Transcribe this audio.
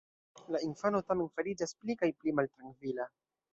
La infano tamen fariĝas pli kaj pli maltrankvila.